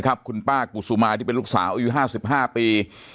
คุณป้ากุศุมาที่เป็นลูกสาวอายุ๕๕ปี